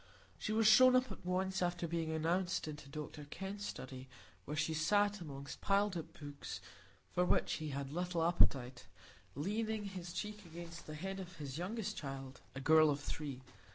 She was shown up at once, after being announced, into Dr Kenn's study, where he sat amongst piled up books, for which he had little appetite, leaning his cheek against the head of his youngest child, a girl of three.